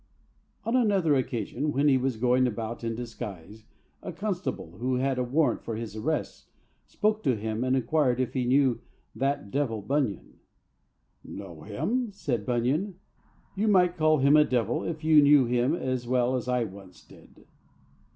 On another occasion, when he was going about in disguise, a constable who had a warrant for his arrest spoke to him and inquired if he knew that devil Bunyan. "Know him?" said Bunyan. "You might call him a devil if you knew him as well as I once did."